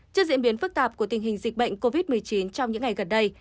trước diễn biến phức tạp của tình hình dịch bệnh covid một mươi chín trong những ngày gần đây